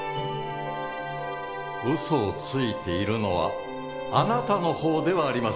ウソをついているのはあなたの方ではありませんか？